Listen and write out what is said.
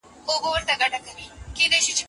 د ناست زمري څخه، ولاړه ګيدړه ښه ده.